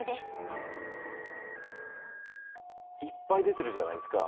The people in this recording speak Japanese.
いっぱい出てるじゃないですか。